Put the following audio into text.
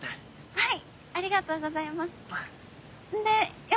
はい。